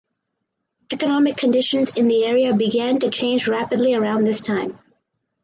Economic conditions in the area began to change rapidly around this time.